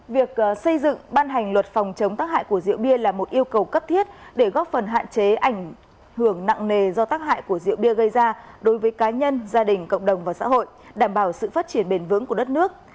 việc xây dựng ban hành luật phòng chống tác hại của rượu bia là một yêu cầu cấp thiết để góp phần hạn chế ảnh hưởng nặng nề do tác hại của rượu bia gây ra đối với cá nhân gia đình cộng đồng và xã hội đảm bảo sự phát triển bền vững của đất nước